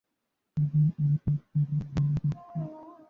কারণ এই ত্যাগ বড়ই মহান আদর্শ।